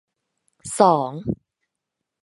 สอง